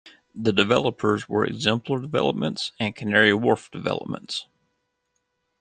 The developers were Exemplar Developments and Canary Wharf Developments.